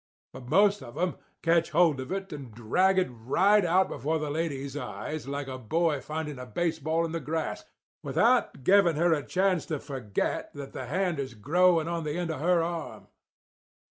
And most of 'em catch hold of it and drag it right out before the lady's eyes like a boy finding a baseball in the grass, without giving her a chance to forget that the hand is growing on the end of her arm.